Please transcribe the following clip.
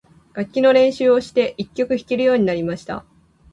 楽器の練習をして、一曲弾けるようになりました。